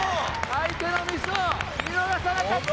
相手のミスを見逃さなかった！